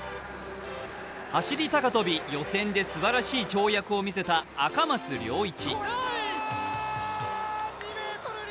走高跳予選で、すばらしい跳躍を見せた赤松諒一。